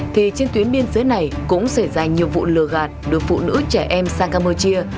thì trên tuyến biên giới này cũng xảy ra nhiều vụ lừa gạt đưa phụ nữ trẻ em sang campuchia